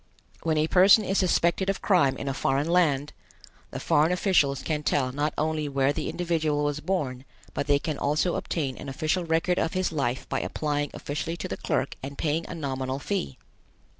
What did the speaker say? When a person is suspected of crime in a foreign land, the foreign officials can tell not only where the individual was born, but they can also obtain an official record of his life by applying officially to the clerk and paying a nominal fee.